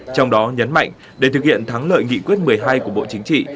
trong đó nhấn mạnh để thực hiện thắng lợi nghị quyết một mươi hai của bộ chính trị